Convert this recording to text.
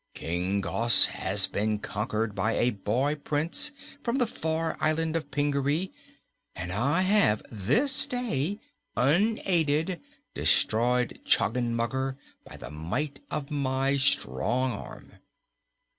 "King Gos has been conquered by a boy Prince from the far island of Pingaree, and I have this day unaided destroyed Choggenmugger by the might of my strong arm."